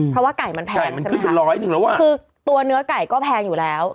อืมไก่มันขึ้นเป็นร้อยหนึ่งแล้วว่ะคือตัวเนื้อไก่ก็แพงอยู่แล้ว